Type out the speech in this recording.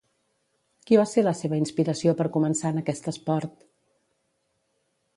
Qui va ser la seva inspiració per començar en aquest esport?